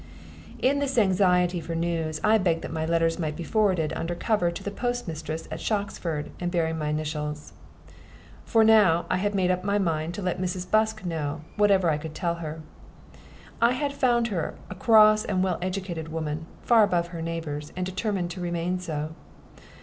In this anxiety for news I begged that my letters might be forwarded under cover to the postmistress at Shoxford, and bearing my initials. For now I had made up my mind to let Mrs. Busk know whatever I could tell her. I had found her a cross and well educated woman, far above her neighbors, and determined to remain so.